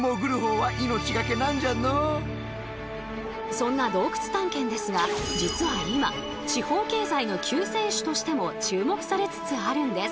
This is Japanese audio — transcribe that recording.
そんな洞窟探検ですが実は今地方経済の救世主としても注目されつつあるんです。